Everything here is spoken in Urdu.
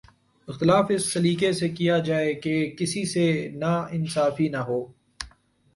اختلاف اس سلیقے سے کیا جائے کہ کسی سے ناانصافی نہ ہو۔